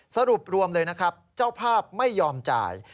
สรุปรวมเลยนะครับเจ้าภาพไม่ยอมจ่าย